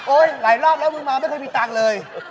หลายรอบแล้วมึงมาไม่เคยมีตังค์เลย